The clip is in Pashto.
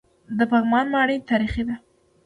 د پغمان ماڼۍ تاریخي ده